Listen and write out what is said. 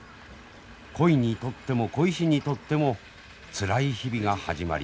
鯉にとっても鯉師にとってもつらい日々が始まります。